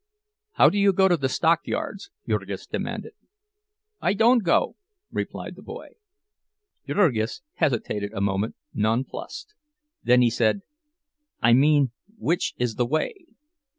"How do you go to the stockyards?" Jurgis demanded. "I don't go," replied the boy. Jurgis hesitated a moment, nonplussed. Then he said, "I mean which is the way?"